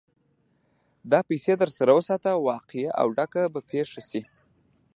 دا پيسې در سره وساته؛ واقعه او ډکه به پېښه شي.